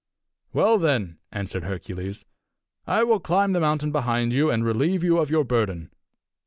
"Well, then," answered Hercules, "I will climb the mountain behind you, and relieve you of your burden."